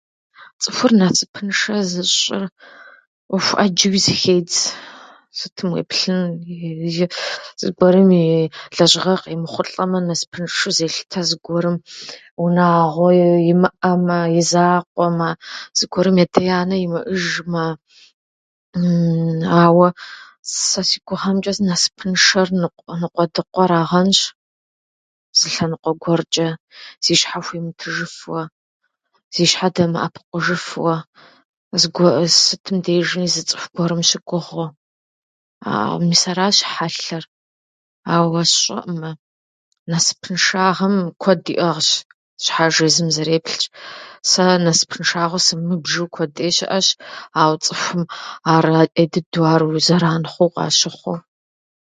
Цӏыхур насыпыншэ зыщӏыр ӏуэху ӏэджэуи зыхедз. Сытым уеплъыну, зыгуэрым и лэжьыгъэ къемыхъулӏэмэ, насыпыншэу зелъытэ, зыгуэрым унагъуэ имыӏэмэ, и закъуэмэ, зыгуэрым и адэ-анэ имыӏэжмэ. Ауэ, сэ си гугъэмчӏэ, насыпыншэр ныкъуэ- ныкъуэдыкъуэрагъэнщ, зы лъэныкъуэ гурчӏэ зи щхьэ хуимытыжыфууэ, зи щхьэ дэмыӏэпыкъужыфууэ, зыгуэ- сытым дежи зы цӏуху гуэрым ущыгугъуу. Мис аращ хьэлъэр, ауэ сщӏэӏымэ, насыпыншагъэм куэд иӏыгъщ, щхьэж езым зэреплъщ. Сэ насыпыншагъэу сымыбжу куэд ӏей щыӏэщ, ауэ цӏыхум ар ӏей дыдэу, ар зэран хъууэ къащыхъууэ.